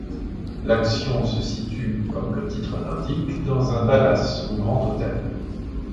L'action se situe, comme le titre l'indique, dans un palace ou grand hôtel.